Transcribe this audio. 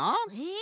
え！